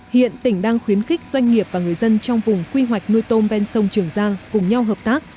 hiện tỉnh đang khuyến khích doanh nghiệp và người dân trong vùng quy hoạch nuôi tôm ven sông trường giang cùng nhau hợp tác